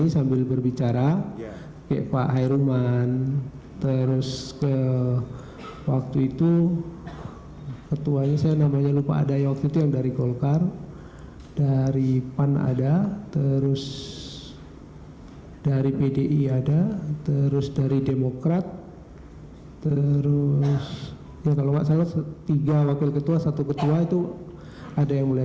satu ketua itu ada yang mulia